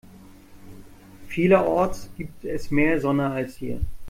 Vielerorts gibt es mehr Sonne als hier.